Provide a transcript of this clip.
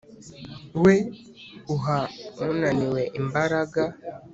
we uha unaniwe imbaraga